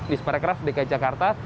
di seperekras bk jakarta